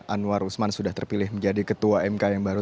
anwar usman sudah terpilih menjadi ketua mk yang baru